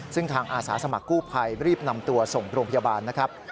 ซึ่งทางอาสาสมัครกู้ภัยรีบนำตัวส่งโรงพยาบาลนะครับ